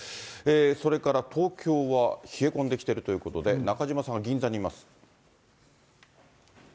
それから東京は冷え込んできているということで、中島さんが銀座にいます。